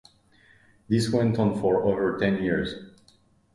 This went on for over ten years.